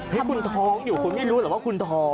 ให้คุณท้องอยู่คุณไม่รู้เหรอว่าคุณท้อง